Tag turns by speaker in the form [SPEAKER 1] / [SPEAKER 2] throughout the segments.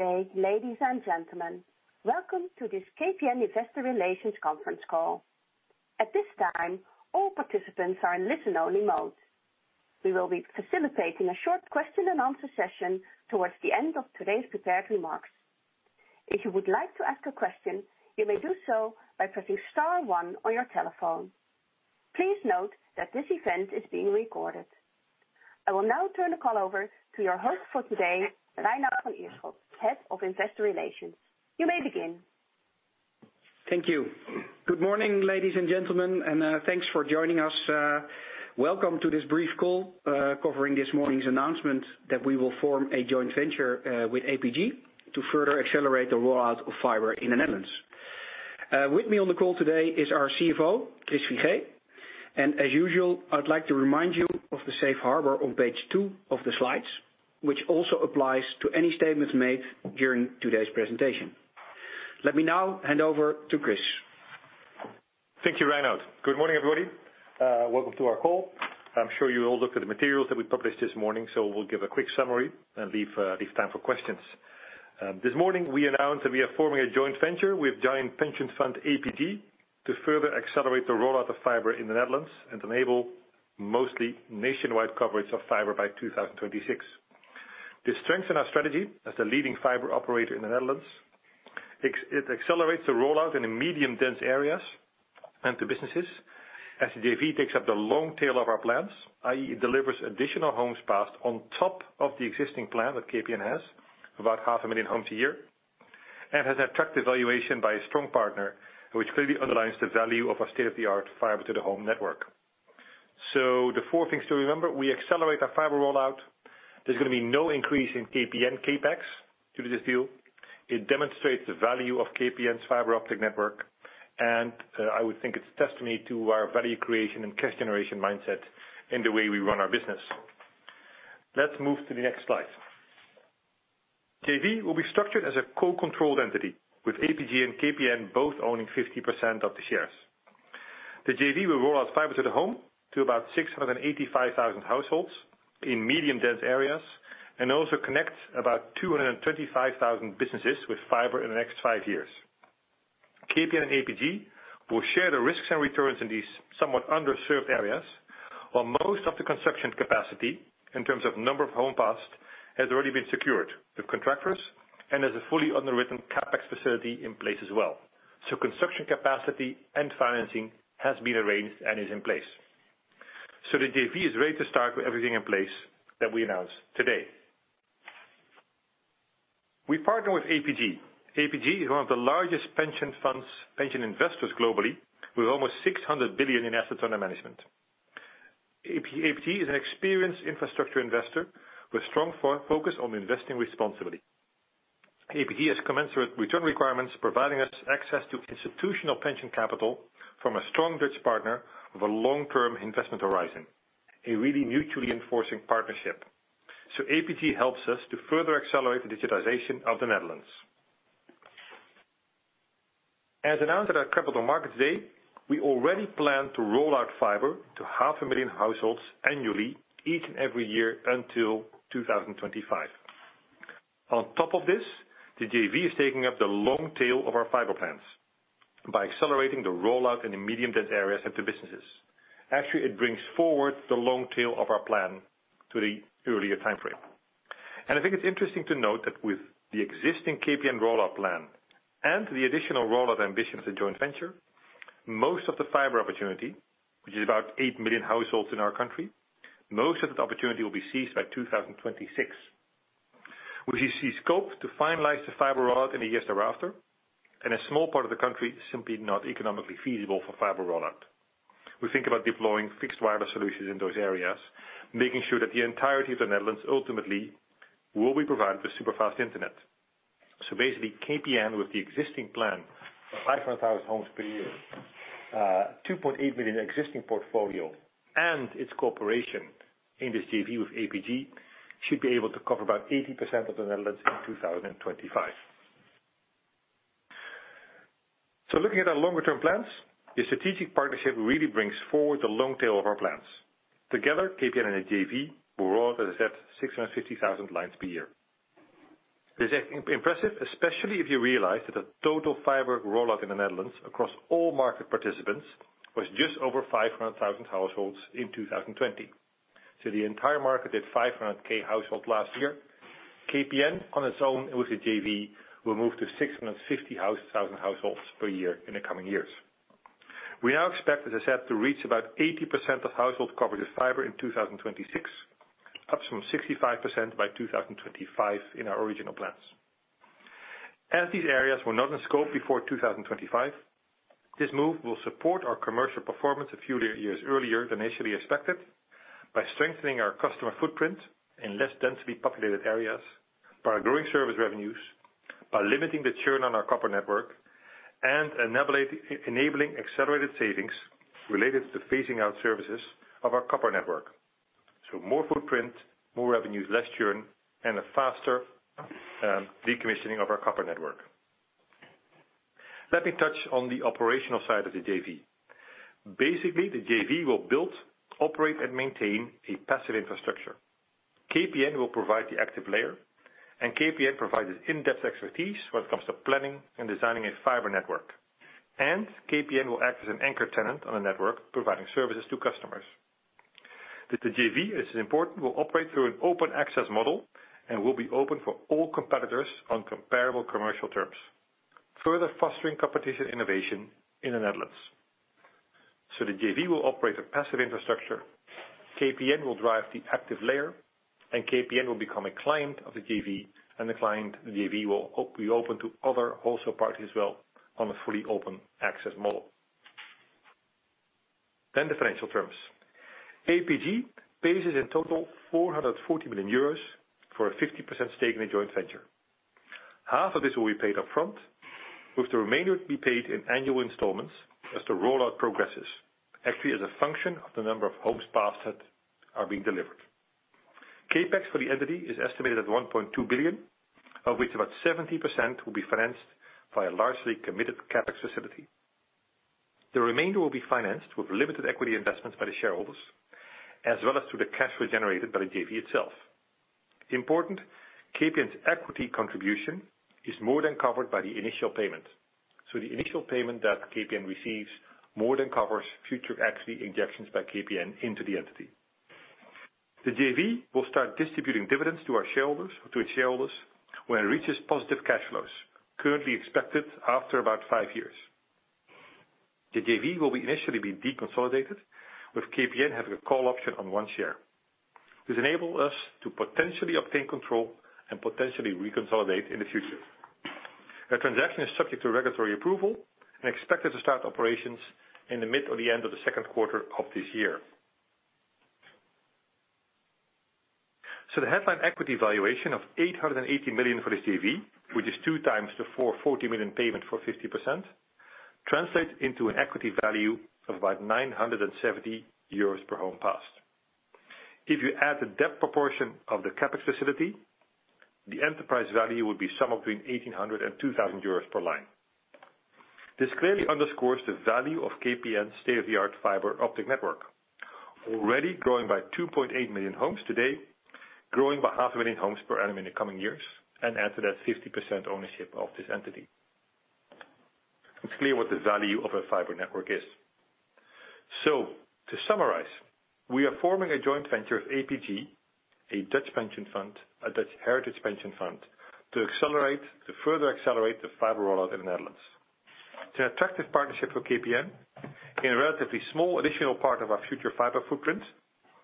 [SPEAKER 1] Good day, ladies and gentlemen. Welcome to this KPN Investor Relations conference call. At this time, all participants are in listen only mode. We will be facilitating a short question and answer session towards the end of today's prepared remarks. If you would like to ask a question, you may do so by pressing star one on your telephone. Please note that this event is being recorded. I will now turn the call over to your host for today, Reinout van Ierschot, Head of Investor Relations. You may begin.
[SPEAKER 2] Thank you. Good morning, ladies and gentlemen, and thanks for joining us. Welcome to this brief call, covering this morning's announcement that we will form a joint venture with APG to further accelerate the rollout of fiber in the Netherlands. With me on the call today is our CFO, Chris Figee. As usual, I'd like to remind you of the Safe Harbor on page two of the slides, which also applies to any statements made during today's presentation. Let me now hand over to Chris.
[SPEAKER 3] Thank you, Reinout. Good morning, everybody. Welcome to our call. I am sure you all looked at the materials that we published this morning, so we will give a quick summary and leave time for questions. This morning, we announced that we are forming a joint venture with giant pension fund APG to further accelerate the rollout of fiber in the Netherlands and enable mostly nationwide coverage of fiber by 2026. This strengthens our strategy as the leading fiber operator in the Netherlands. It accelerates the rollout in the medium dense areas and to businesses as the JV takes up the long tail of our plans, i.e., it delivers additional homes passed on top of the existing plan that KPN has, about half a million homes a year, and has attracted valuation by a strong partner, which clearly underlines the value of our state-of-the-art Fiber to the Home network. The four things to remember, we accelerate our fiber rollout. There's going to be no increase in KPN CapEx due to this deal. It demonstrates the value of KPN's fiber optic network, and I would think it's a testimony to our value creation and cash generation mindset in the way we run our business. Let's move to the next slide. JV will be structured as a co-controlled entity with APG and KPN both owning 50% of the shares. The JV will roll out fiber to the home to about 685,000 households in medium dense areas and also connect about 225,000 businesses with fiber in the next five years. KPN and APG will share the risks and returns in these somewhat underserved areas, while most of the construction capacity in terms of number of homes passed has already been secured with contractors and has a fully underwritten CapEx facility in place as well. Construction capacity and financing has been arranged and is in place. The JV is ready to start with everything in place that we announce today. We partner with APG. APG is one of the largest pension funds, pension investors globally with almost 600 billion in assets under management. APG is an experienced infrastructure investor with strong focus on investing responsibility. APG has commensurate return requirements, providing us access to institutional pension capital from a strong Dutch partner with a long-term investment horizon, a really mutually enforcing partnership. APG helps us to further accelerate the digitization of the Netherlands. As announced at our Capital Markets Day, we already plan to roll out fiber to 500,000 households annually each and every year until 2025. On top of this, the JV is taking up the long tail of our fiber plans by accelerating the rollout in the medium dense areas and to businesses. Actually, it brings forward the long tail of our plan to the earlier time frame. I think it's interesting to note that with the existing KPN rollout plan and the additional rollout ambitions of joint venture, most of the fiber opportunity, which is about 8 million households in our country, most of the opportunity will be seized by 2026. We see scope to finalize the fiber rollout in the years thereafter, and a small part of the country is simply not economically feasible for fiber rollout. We think about deploying fixed wireless solutions in those areas, making sure that the entirety of the Netherlands ultimately will be provided with super fast internet. Basically, KPN with the existing plan of 500,000 homes per year, 2.8 million existing portfolio, and its cooperation in this JV with APG should be able to cover about 80% of the Netherlands in 2025. Looking at our longer term plans, this strategic partnership really brings forward the long tail of our plans. Together, KPN and the JV will roll out, as I said, 650,000 lines per year. This is impressive, especially if you realize that the total fiber rollout in the Netherlands across all market participants was just over 500,000 households in 2020. The entire market did 500,000 households last year. KPN on its own with the JV will move to 650,000 households per year in the coming years. We now expect, as I said, to reach about 80% of household coverage of fiber in 2026, up from 65% by 2025 in our original plans. As these areas were not in scope before 2025, this move will support our commercial performance a few years earlier than initially expected by strengthening our customer footprint in less densely populated areas, by growing service revenues, by limiting the churn on our copper network, and enabling accelerated savings related to phasing out services of our copper network. More footprint, more revenues, less churn, and a faster decommissioning of our copper network. Let me touch on the operational side of the JV. Basically, the JV will build, operate, and maintain a passive infrastructure. KPN will provide the active layer, and KPN provides in-depth expertise when it comes to planning and designing a fiber network. KPN will act as an anchor tenant on a network providing services to customers. The JV, this is important, will operate through an open access model and will be open for all competitors on comparable commercial terms, further fostering competition innovation in the Netherlands. The JV will operate a passive infrastructure, KPN will drive the active layer, and KPN will become a client of the JV, and the client of the JV will be open to other wholesale parties as well on a fully open access model. The financial terms. APG pays us in total 440 million euros for a 50% stake in the joint venture. Half of this will be paid upfront, with the remainder to be paid in annual installments as the rollout progresses. Actually, as a function of the number of homes passed that are being delivered. CapEx for the entity is estimated at 1.2 billion, of which about 70% will be financed by a largely committed CapEx facility. The remainder will be financed with limited equity investments by the shareholders, as well as through the cash flow generated by the JV itself. Important, KPN's equity contribution is more than covered by the initial payment. The initial payment that KPN receives more than covers future equity injections by KPN into the entity. The JV will start distributing dividends to its shareholders when it reaches positive cash flows, currently expected after about five years. The JV will initially be deconsolidated, with KPN having a call option on one share. This enables us to potentially obtain control and potentially reconsolidate in the future. The transaction is subject to regulatory approval and expected to start operations in the mid or the end of the second quarter of this year. The headline equity valuation of 880 million for this JV, which is 2x the 440 million payment for 50%, translates into an equity value of about 970 euros per home passed. If you add the debt proportion of the CapEx facility, the enterprise value would be somewhere between 1,800-2,000 euros per line. This clearly underscores the value of KPN's state-of-the-art fiber optic network, already growing by 2.8 million homes today, growing by 0.5 million homes per annum in the coming years, and add to that 50% ownership of this entity. It's clear what the value of a fiber network is. To summarize, we are forming a joint venture with APG, a Dutch heritage pension fund, to further accelerate the fiber rollout in the Netherlands. It's an attractive partnership for KPN in a relatively small additional part of our future fiber footprint.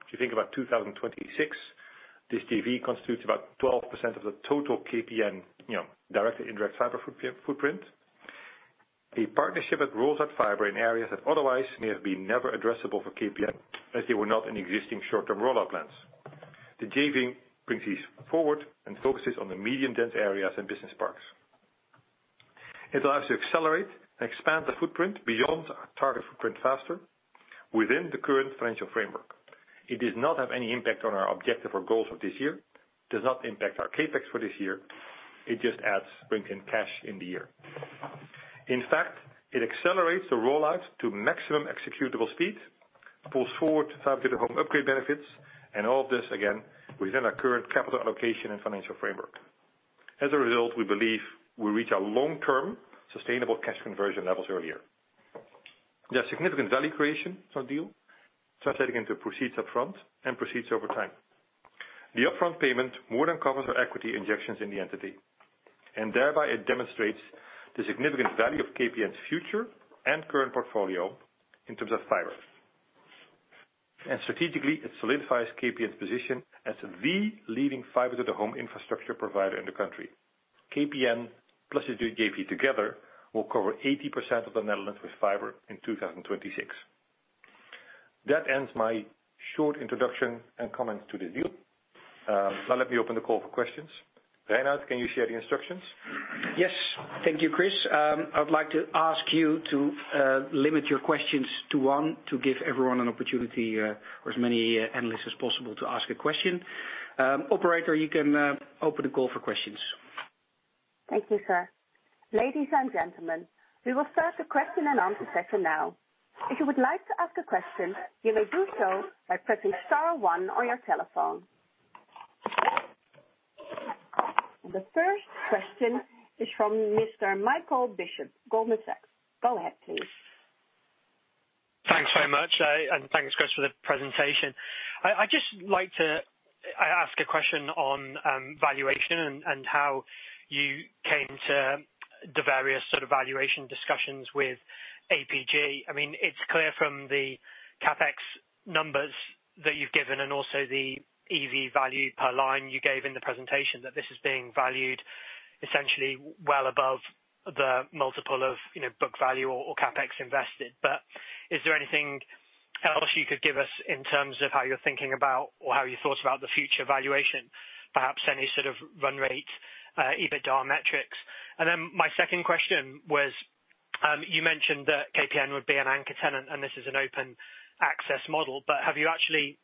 [SPEAKER 3] If you think about 2026, this JV constitutes about 12% of the total KPN direct and indirect fiber footprint. A partnership that rolls out fiber in areas that otherwise may have been never addressable for KPN as they were not in existing short-term rollout plans. The JV brings these forward and focuses on the medium-dense areas and business parks. It allows to accelerate and expand the footprint beyond our target footprint faster within the current financial framework. It does not have any impact on our objective or goals of this year. Does not impact our CapEx for this year. It just brings in cash in the year. In fact, it accelerates the rollout to maximum executable speed, pulls forward fiber to the home upgrade benefits, all of this, again, within our current capital allocation and financial framework. As a result, we believe we reach our long-term sustainable cash conversion levels earlier. There's significant value creation on deal, translating into proceeds upfront and proceeds over time. The upfront payment more than covers our equity injections in the entity, and thereby it demonstrates the significant value of KPN's future and current portfolio in terms of fiber. Strategically, it solidifies KPN's position as the leading fiber to the home infrastructure provider in the country. KPN plus the JV together will cover 80% of the Netherlands with fiber in 2026. That ends my short introduction and comments to the view. Let me open the call for questions. Reinout, can you share the instructions?
[SPEAKER 2] Yes. Thank you, Chris. I would like to ask you to limit your questions to one to give everyone an opportunity or as many analysts as possible to ask a question. Operator, you can open the call for questions.
[SPEAKER 1] Thank you, sir. Ladies and gentlemen, we will start the question and answer session now. If you would like to ask a question, you may do so by pressing star one on your telephone. The first question is from Mr. Michael Bishop, Goldman Sachs. Go ahead, please.
[SPEAKER 4] Thanks very much. Thanks, Chris, for the presentation. I just like to ask a question on valuation and how you came to the various sort of valuation discussions with APG. It's clear from the CapEx numbers that you've given and also the EV value per line you gave in the presentation that this is being valued essentially well above the multiple of book value or CapEx invested. Is there anything else you could give us in terms of how you're thinking about or how you thought about the future valuation, perhaps any sort of run rate, EBITDA metrics? My second question was, you mentioned that KPN would be an anchor tenant, and this is an open access model, but have you actually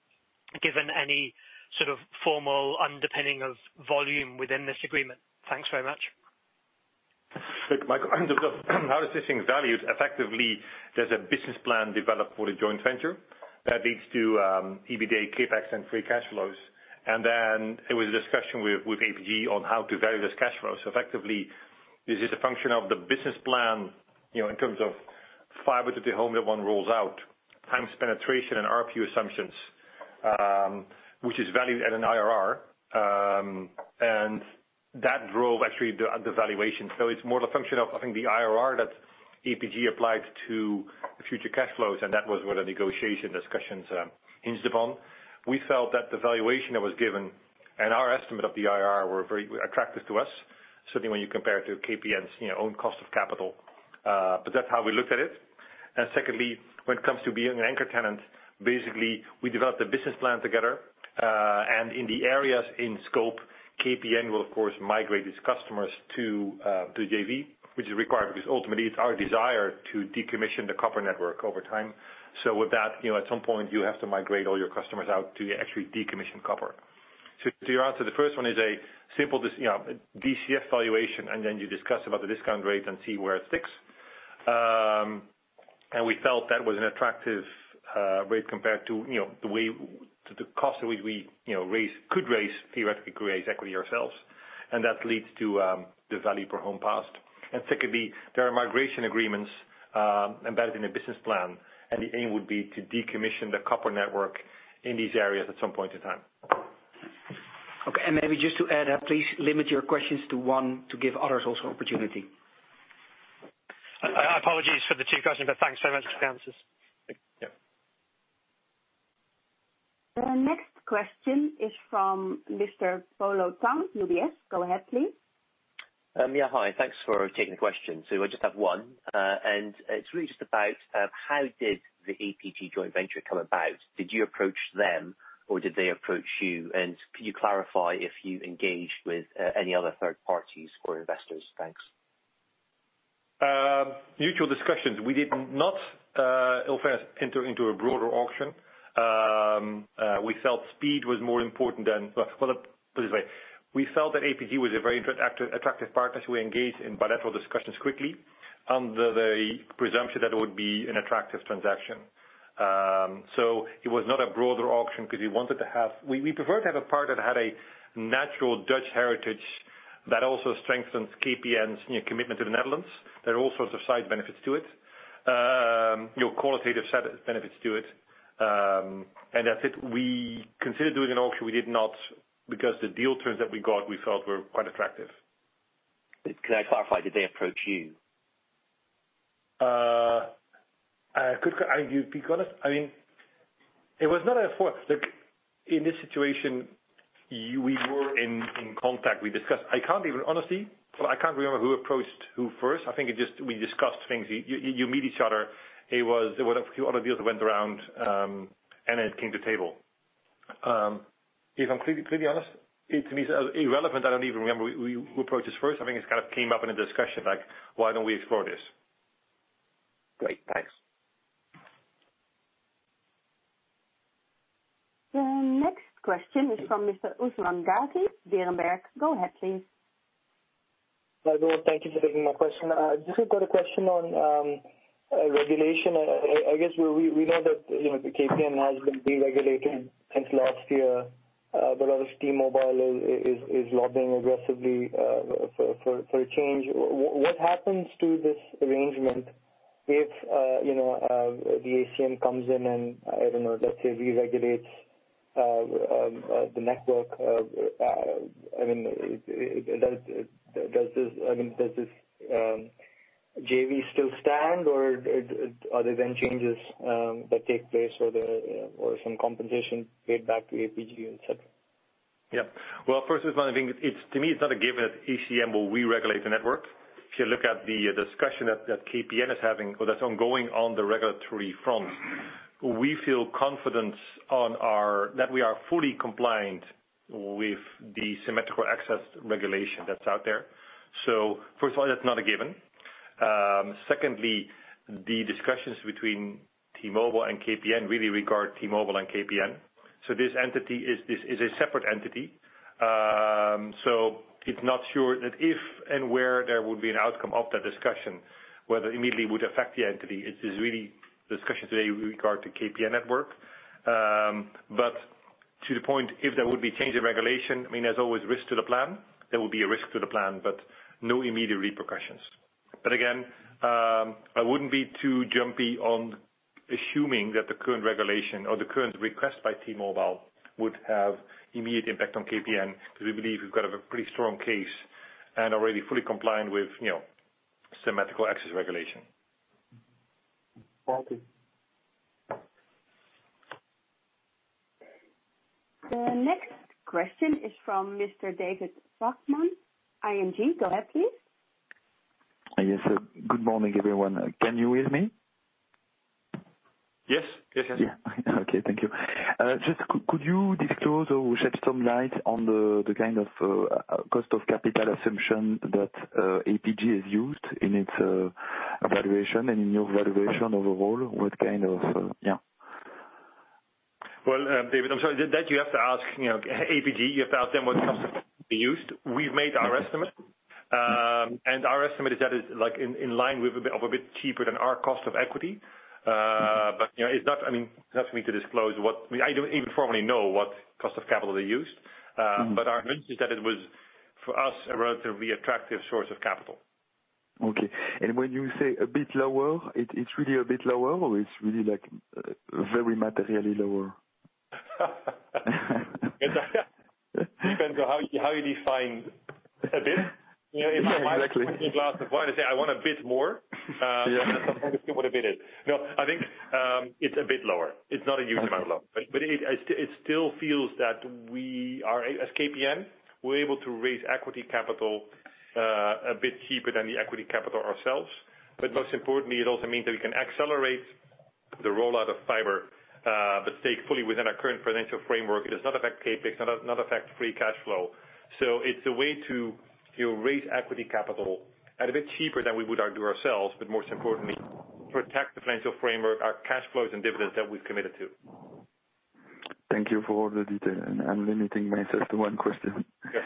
[SPEAKER 4] given any sort of formal underpinning of volume within this agreement? Thanks very much.
[SPEAKER 3] Look, Michael, in terms of how this thing is valued, effectively, there's a business plan developed for the joint venture that leads to EBITDA, CapEx, and free cash flows. Then there was a discussion with APG on how to value those cash flows. Effectively, this is a function of the business plan in terms of Fiber to the Home that one rolls out, times penetration and ARPU assumptions, which is valued at an IRR. That drove, actually, the valuation. It's more the function of, I think, the IRR that APG applied to the future cash flows, and that was where the negotiation discussions hinged upon. We felt that the valuation that was given and our estimate of the IRR were very attractive to us, certainly when you compare it to KPN's own cost of capital. That's how we looked at it. Secondly, when it comes to being an anchor tenant, basically, we developed a business plan together. In the areas in scope, KPN will, of course, migrate its customers to the JV, which is required, because ultimately, it's our desire to decommission the copper network over time. With that, at some point, you have to migrate all your customers out to actually decommission copper. To your answer, the first one is a simple DCF valuation, and then you discuss about the discount rate and see where it sticks. We felt that was an attractive rate compared to the cost at which we could theoretically create equity ourselves. That leads to the value per home passed. Secondly, there are migration agreements embedded in the business plan, and the aim would be to decommission the copper network in these areas at some point in time.
[SPEAKER 2] Okay, maybe just to add, please limit your questions to one to give others also opportunity.
[SPEAKER 4] Apologies for the two questions. Thanks so much for the answers.
[SPEAKER 3] Yeah.
[SPEAKER 1] The next question is from Mr. Polo Tang, UBS. Go ahead, please.
[SPEAKER 5] Yeah, hi. Thanks for taking the question. I just have one. It's really just about how did the APG joint venture come about? Did you approach them or did they approach you? Could you clarify if you engaged with any other third parties or investors? Thanks.
[SPEAKER 3] Mutual discussions. We did not, in all fairness, enter into a broader auction. We felt that APG was a very attractive partner. We engaged in bilateral discussions quickly under the presumption that it would be an attractive transaction. It was not a broader auction because we preferred to have a partner that had a natural Dutch heritage that also strengthens KPN's commitment to the Netherlands. There are all sorts of side benefits to it, qualitative benefits to it. That's it. We considered doing an auction. We did not, because the deal terms that we got, we felt were quite attractive.
[SPEAKER 5] Could I clarify, did they approach you?
[SPEAKER 3] To be honest, in this situation, we were in contact. We discussed. Honestly, I can't remember who approached who first. I think we discussed things. You meet each other. There were a few other deals that went around, and then it came to table. If I'm completely honest, it's irrelevant. I don't even remember who approached who first. I think it came up in a discussion, like, "Why don't we explore this?
[SPEAKER 5] Great. Thanks.
[SPEAKER 1] The next question is from Mr. Usman Ghazi, Berenberg. Go ahead, please.
[SPEAKER 6] Hi, good. Thank you for taking my question. Just got a question on regulation. I guess we know that the KPN has been deregulated since last year. Obviously, T-Mobile is lobbying aggressively for a change. What happens to this arrangement if the ACM comes in and, I don't know, let's say, deregulates the network? Does this JV still stand, or are there then changes that take place or some compensation paid back to APG, et cetera?
[SPEAKER 3] Yeah. Well, first, Usman, I think, to me, it's not a given that ACM will re-regulate the network. If you look at the discussion that KPN is having, or that's ongoing on the regulatory front, we feel confidence that we are fully compliant with the symmetrical access regulation that's out there. First of all, that's not a given. Secondly, the discussions between T-Mobile and KPN really regard T-Mobile and KPN. This entity is a separate entity. It's not sure that if and where there would be an outcome of that discussion, whether immediately would affect the entity. It is really discussions today with regard to KPN network. To the point, if there would be change in regulation, there's always risk to the plan. There will be a risk to the plan, but no immediate repercussions. Again, I wouldn't be too jumpy on assuming that the current regulation or the current request by T-Mobile would have immediate impact on KPN, because we believe we've got a pretty strong case and already fully compliant with symmetrical access regulation.
[SPEAKER 6] Thank you.
[SPEAKER 1] The next question is from Mr. David Vagman, ING. Go ahead, please.
[SPEAKER 7] Yes. Good morning, everyone. Can you hear me?
[SPEAKER 3] Yes.
[SPEAKER 7] Okay. Thank you. Just could you disclose or shed some light on the kind of cost of capital assumption that APG has used in its valuation and in your valuation overall?
[SPEAKER 3] Well, David, I'm sorry, that you have to ask APG. You have to ask them what cost they used. We've made our estimate. Our estimate is that is in line with a bit cheaper than our cost of equity. It's not for me to disclose. I don't even formally know what cost of capital they used. Our hunch is that it was, for us, a relatively attractive source of capital.
[SPEAKER 7] Okay. When you say a bit lower, it's really a bit lower, or it's really very materially lower?
[SPEAKER 3] It depends on how you define a bit.
[SPEAKER 7] Yeah, exactly.
[SPEAKER 3] If my wife offers me a glass of wine, I say, "I want a bit more.
[SPEAKER 7] Yeah.
[SPEAKER 3] It depends on what a bit is. No, I think it's a bit lower. It's not a huge amount lower.
[SPEAKER 7] Okay.
[SPEAKER 3] It still feels that we are, as KPN, we're able to raise equity capital a bit cheaper than the equity capital ourselves. Most importantly, it also means that we can accelerate the rollout of fiber, but stay fully within our current financial framework. It does not affect CapEx, not affect free cash flow. It's a way to raise equity capital at a bit cheaper than we would argue ourselves, but most importantly, protect the financial framework, our cash flows, and dividends that we've committed to.
[SPEAKER 7] Thank you for all the detail. I'm limiting myself to one question.
[SPEAKER 3] Yes.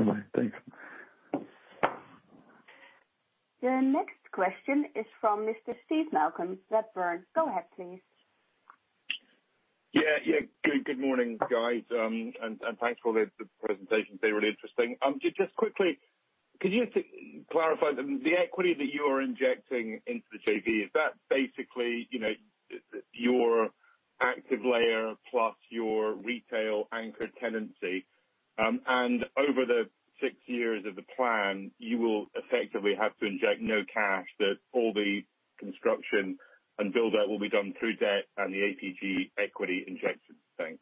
[SPEAKER 7] All right. Thanks.
[SPEAKER 1] The next question is from Mr. Steve Malcolm. Redburn. Go ahead, please.
[SPEAKER 8] Yeah. Good morning, guys. Thanks for the presentation today. Really interesting. Just quickly, could you clarify, the equity that you are injecting into the JV, is that basically your active layer plus your retail anchor tenancy? Over the six years of the plan, you will effectively have to inject no cash, that all the construction and build-out will be done through debt and the APG equity injection? Thanks.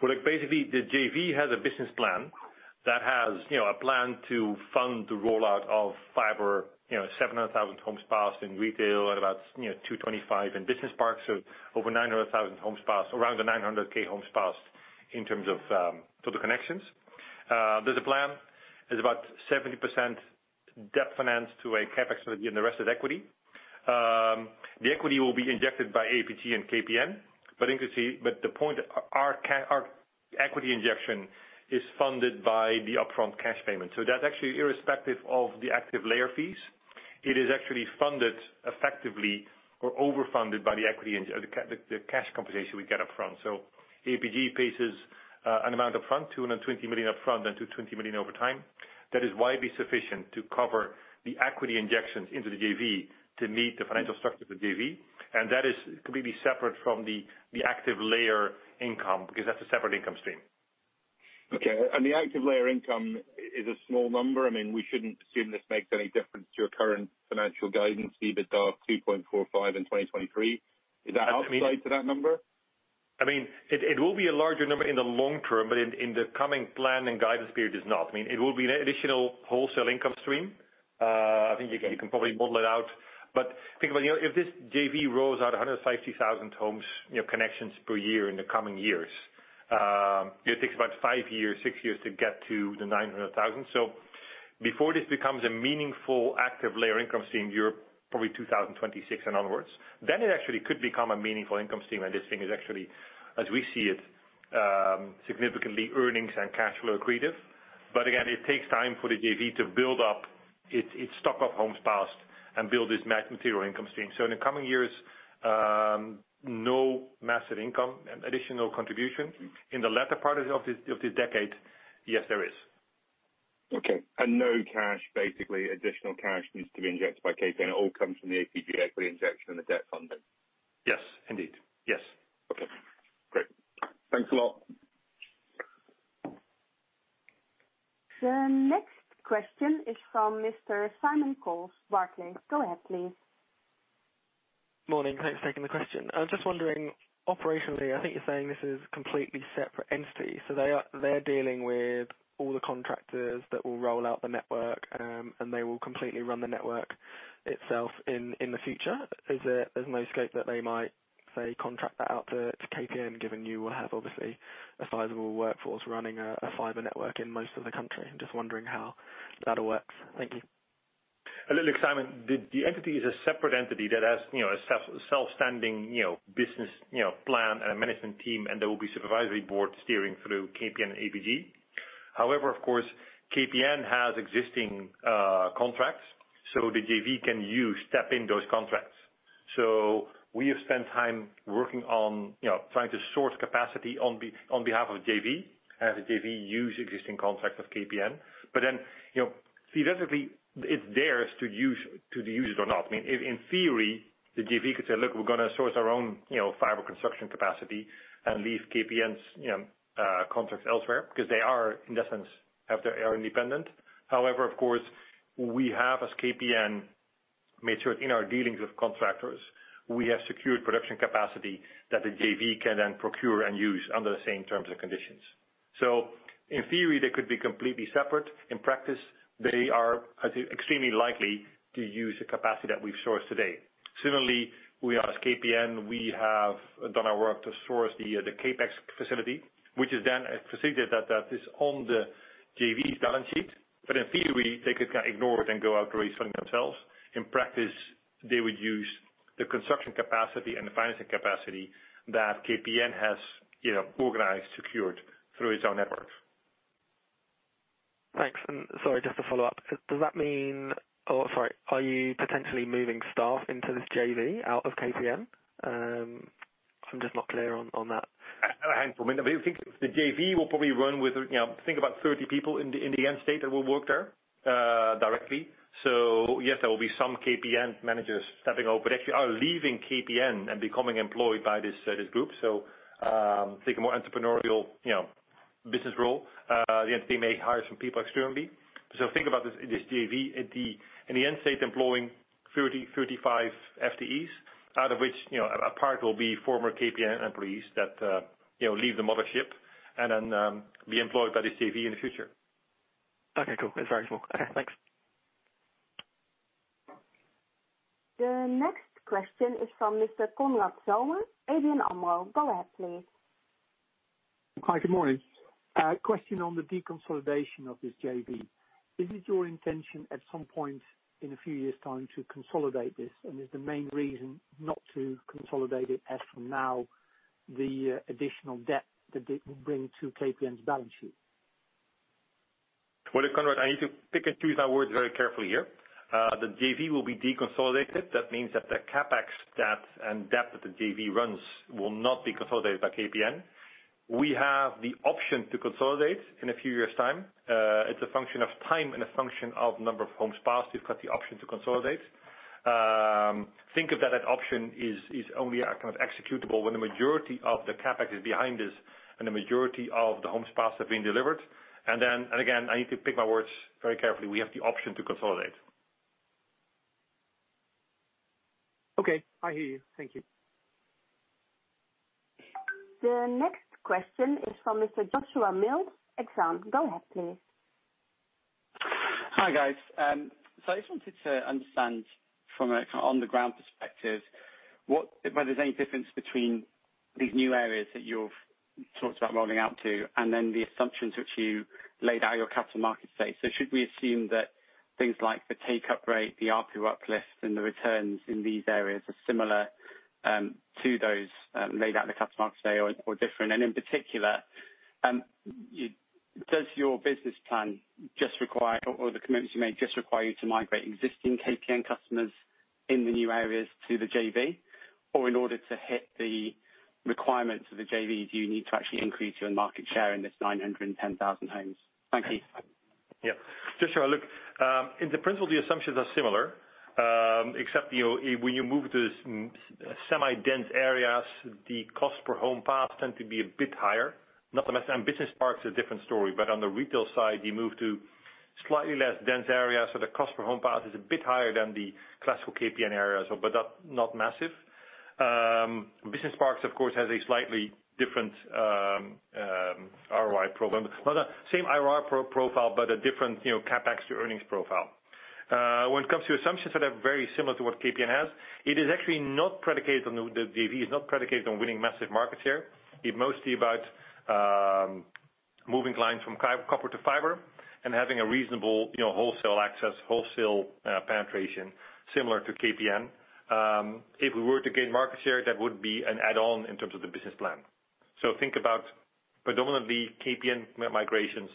[SPEAKER 3] Well, look, basically, the JV has a business plan that has a plan to fund the rollout of fiber, 700,000 homes passed in retail at about 225 in business parks. Over 900,000 homes passed, around the 900,000 homes passed in terms of total connections. There's a plan. There's about 70% debt financed to a CapEx and the rest is equity. The equity will be injected by APG and KPN. The point, our equity injection is funded by the upfront cash payment. That's actually irrespective of the active layer fees. It is actually funded effectively or over-funded by the equity, the cash compensation we get up front. APG pays us an amount up front, 220 million upfront and 220 million over time. That is widely sufficient to cover the equity injections into the JV to meet the financial structure of the JV. That is completely separate from the active layer income because that's a separate income stream.
[SPEAKER 8] Okay. The active layer income is a small number. We shouldn't assume this makes any difference to your current financial guidance, EBITDA of 2.45 in 2023. Does that apply to that number?
[SPEAKER 3] It will be a larger number in the long term, but in the coming plan and guidance period, it's not. It will be an additional wholesale income stream. I think you can probably model it out. Think about it, if this JV rolls out 150,000 homes connections per year in the coming years, it takes about five years, six years to get to the 900,000. Before this becomes a meaningful active layer income stream, you're probably 2026 and onwards. It actually could become a meaningful income stream. This thing is actually, as we see it, significantly earnings and cash flow accretive. Again, it takes time for the JV to build up its stock of homes passed and build this material income stream. In the coming years, no massive income, additional contribution. In the latter part of this decade, yes, there is.
[SPEAKER 8] Okay. No cash, basically, additional cash needs to be injected by KPN. It all comes from the APG equity injection and the debt funding.
[SPEAKER 3] Yes, indeed. Yes.
[SPEAKER 8] Okay, great. Thanks a lot.
[SPEAKER 1] The next question is from Mr. Simon Coles, Barclays. Go ahead, please.
[SPEAKER 9] Morning. Thanks for taking the question. I was just wondering, operationally, I think you're saying this is completely separate entity. They're dealing with all the contractors that will roll out the network, and they will completely run the network itself in the future. Is there no scope that they might, say, contract that out to KPN, given you will have, obviously, a sizable workforce running a fiber network in most of the country? I'm just wondering how that'll work. Thank you.
[SPEAKER 3] Look, Simon, the entity is a separate entity that has a self-standing business plan and a management team, and there will be supervisory board steering through KPN and APG. Of course, KPN has existing contracts, the JV can use, step in those contracts. We have spent time working on trying to source capacity on behalf of JV, have the JV use existing contracts of KPN. Theoretically, it's theirs to use it or not. In theory, the JV could say, "Look, we're going to source our own fiber construction capacity and leave KPN's contracts elsewhere," because they are, in that sense, independent. However, of course, we have, as KPN, made sure in our dealings with contractors, we have secured production capacity that the JV can then procure and use under the same terms and conditions. In theory, they could be completely separate. In practice, they are extremely likely to use the capacity that we've sourced to date. Similarly, we are as KPN, we have done our work to source the CapEx facility, which is then a facility that is on the JV's balance sheet, but in theory, they could ignore it and go out to raise funding themselves. In practice, they would use the construction capacity and the financing capacity that KPN has organized, secured through its own networks.
[SPEAKER 9] Thanks. Sorry, just to follow up, are you potentially moving staff into this JV out of KPN? I'm just not clear on that.
[SPEAKER 3] Hang on a minute. I think the JV will probably run with, think about 30 people in the end state that will work there, directly. Yes, there will be some KPN managers stepping out, but actually are leaving KPN and becoming employed by this group. Think a more entrepreneurial business role. They may hire some people externally. Think about this JV in the end state employing 30, 35 FTEs, out of which, a part will be former KPN employees that leave the mothership and then be employed by this JV in the future.
[SPEAKER 9] Okay, cool. That's very cool. Okay, thanks.
[SPEAKER 1] The next question is from Mr. Konrad Zomer, ABN AMRO. Go ahead, please
[SPEAKER 10] Hi, good morning. A question on the deconsolidation of this JV. Is it your intention at some point in a few years' time to consolidate this? Is the main reason not to consolidate it as from now the additional debt that it will bring to KPN's balance sheet?
[SPEAKER 3] Well, look, Konrad, I need to pick and choose our words very carefully here. The JV will be deconsolidated. That means that the CapEx debt and debt that the JV runs will not be consolidated by KPN. We have the option to consolidate in a few years' time. It's a function of time and a function of number of homes passed. We've got the option to consolidate. Think of that option is only executable when the majority of the CapEx is behind us and the majority of the homes passed have been delivered. Again, I need to pick my words very carefully. We have the option to consolidate.
[SPEAKER 10] Okay, I hear you. Thank you.
[SPEAKER 1] The next question is from Mr. Joshua Mills, Exane. Go ahead, please.
[SPEAKER 11] Hi, guys. I just wanted to understand from an on-the-ground perspective, whether there's any difference between these new areas that you've talked about rolling out to, and then the assumptions which you laid out your Capital Markets Day? Should we assume that things like the take-up rate, the ARPU uplift, and the returns in these areas are similar to those laid out in the Capital Markets Day or different? In particular, does your business plan just require, or the commitments you made just require you to migrate existing KPN customers in the new areas to the JV? In order to hit the requirements of the JV, do you need to actually increase your market share in this 910,000 homes? Thank you.
[SPEAKER 3] Yeah. Joshua, look, in the principle, the assumptions are similar, except when you move to semi-dense areas, the cost per home passed tend to be a bit higher, not the mass. Business parks are a different story, but on the retail side, you move to slightly less dense areas, so the cost per home passed is a bit higher than the classical KPN areas, but that's not massive. Business parks, of course, has a slightly different ROI problem. Well, the same IRR profile, but a different CapEx to earnings profile. When it comes to assumptions that are very similar to what KPN has, the JV is not predicated on winning massive market share. It mostly about moving clients from copper to fiber and having a reasonable wholesale access, wholesale penetration similar to KPN. If we were to gain market share, that would be an add-on in terms of the business plan. Think about predominantly KPN migrations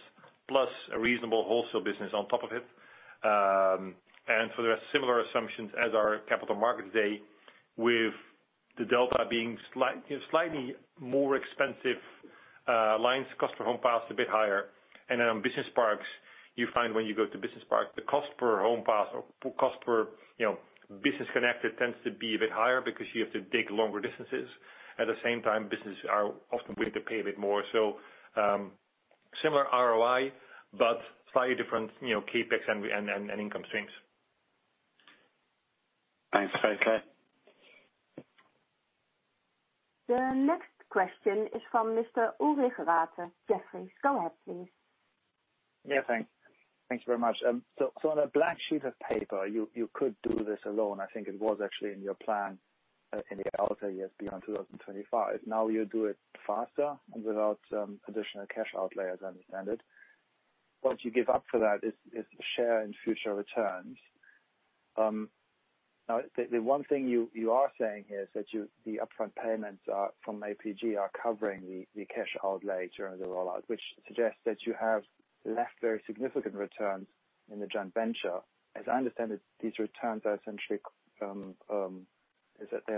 [SPEAKER 3] plus a reasonable wholesale business on top of it. There are similar assumptions as our Capital Markets Day with the delta being slightly more expensive lines, cost per homes passed is a bit higher. On business parks, you find when you go to business parks, the cost per homes passed or cost per business connected tends to be a bit higher because you have to dig longer distances. At the same time, businesses are often willing to pay a bit more. Similar ROI, but slightly different CapEx and income streams.
[SPEAKER 11] Thanks. Very clear.
[SPEAKER 1] The next question is from Mr. Ulrich Rathe, Jefferies. Go ahead, please.
[SPEAKER 12] Yeah, thanks. Thank you very much. On a blank sheet of paper, you could do this alone. I think it was actually in your plan in the outer years beyond 2025. You do it faster and without some additional cash outlay, as I understand it. What you give up for that is the share in future returns. The one thing you are saying here is that the upfront payments from APG are covering the cash outlays during the rollout, which suggests that you have left very significant returns in the joint venture. As I understand it, these returns are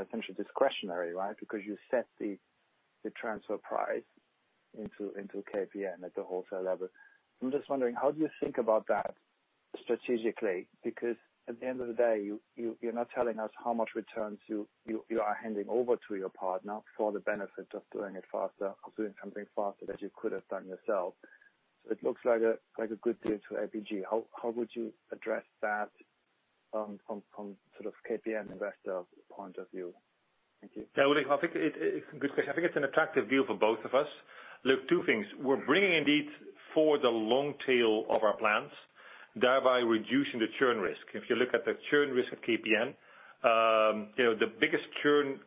[SPEAKER 12] essentially discretionary, right? Because you set the transfer price into KPN at the wholesale level. I'm just wondering, how do you think about that strategically? Because at the end of the day, you're not telling us how much returns you are handing over to your partner for the benefit of doing it faster or doing something faster that you could have done yourself. It looks like a good deal to APG. How would you address that from sort of KPN investor point of view? Thank you.
[SPEAKER 3] Ulrich. I think it's a good question. I think it's an attractive deal for both of us. Look, two things. We're bringing indeed for the long tail of our plans, thereby reducing the churn risk. If you look at the churn risk of KPN, the biggest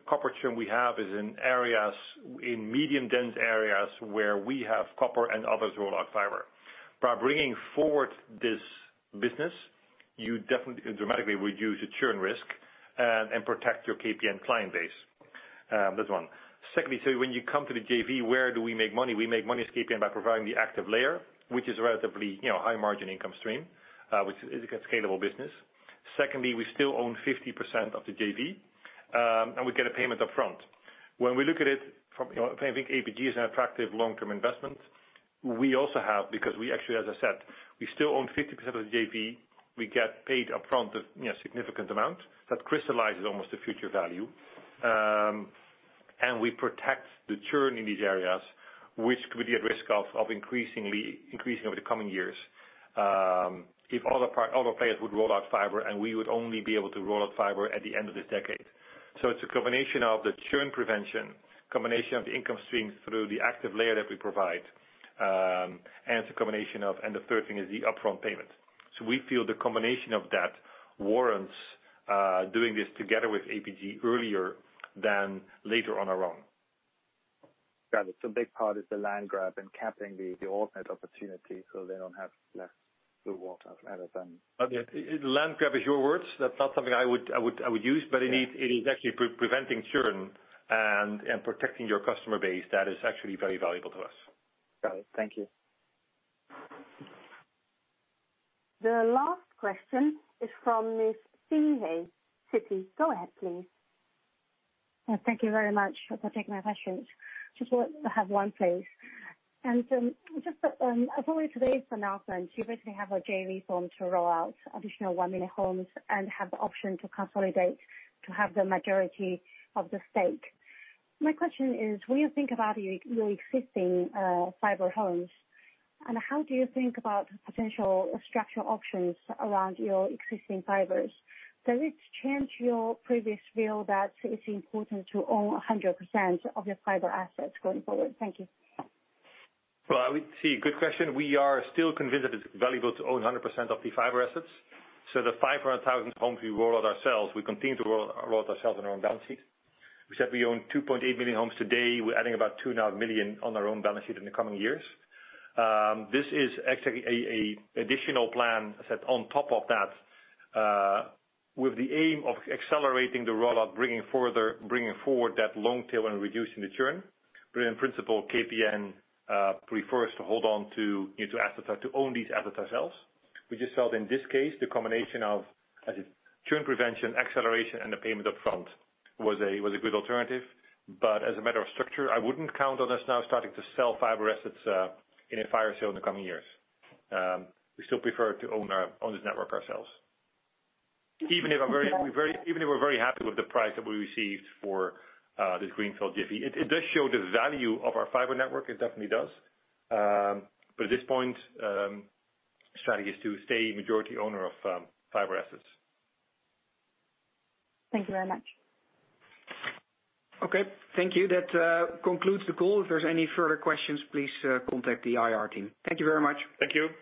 [SPEAKER 3] copper churn we have is in medium dense areas where we have copper and others roll out fiber. By bringing forward this business, you definitely dramatically reduce the churn risk and protect your KPN client base. That's one. Secondly, when you come to the JV, where do we make money? We make money as KPN by providing the active layer, which is a relatively high margin income stream, which is a scalable business. Secondly, we still own 50% of the JV, and we get a payment upfront. I think APG is an attractive long-term investment. We also have, because we actually, as I said, we still own 50% of the JV. We get paid upfront a significant amount that crystallizes almost the future value. We protect the churn in these areas, which could be at risk of increasing over the coming years. If other players would roll out fiber, and we would only be able to roll out fiber at the end of this decade. It's a combination of the churn prevention, combination of the income stream through the active layer that we provide, and the third thing is the upfront payment. We feel the combination of that warrants doing this together with APG earlier than later on our own.
[SPEAKER 12] Got it. A big part is the land grab and capping the alternate opportunity so they don't have less blue water rather than.
[SPEAKER 3] Land grab is your words. That's not something I would use.
[SPEAKER 12] Yeah. It is actually preventing churn and protecting your customer base that is actually very valuable to us. Got it. Thank you.
[SPEAKER 1] The last question is from Ms. Siyi He Citi. Go ahead, please.
[SPEAKER 13] Thank you very much for taking my questions. Just want to have one, please. Just as always, today's announcement, you basically have a JV form to roll out additional one million homes and have the option to consolidate to have the majority of the stake. My question is, when you think about your existing fiber homes, and how do you think about potential structural options around your existing fibers? Does it change your previous view that it's important to own 100% of your fiber assets going forward? Thank you.
[SPEAKER 3] I would say, good question. We are still convinced that it's valuable to own 100% of the fiber assets. The 500,000 homes we roll out ourselves, we continue to roll out ourselves on our own balance sheet. We said we own 2.8 million homes today. We're adding about 2.5 million on our own balance sheet in the coming years. This is actually a additional plan set on top of that, with the aim of accelerating the rollout, bringing forward that long tail and reducing the churn. In principle, KPN prefers to hold on to assets, to own these assets ourselves. We just felt in this case, the combination of, as you said, churn prevention, acceleration, and the payment up front was a good alternative. As a matter of structure, I wouldn't count on us now starting to sell fiber assets in a fire sale in the coming years. We still prefer to own this network ourselves. Even if we're very happy with the price that we received for this greenfield JV. It does show the value of our fiber network, it definitely does. At this point, strategy is to stay majority owner of fiber assets.
[SPEAKER 13] Thank you very much.
[SPEAKER 2] Okay, thank you. That concludes the call. If there's any further questions, please contact the IR team. Thank you very much.
[SPEAKER 3] Thank you.